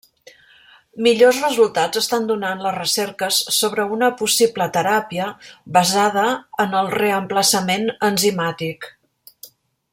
Millors resultats estan donant les recerques sobre una possible teràpia basada en el reemplaçament enzimàtic.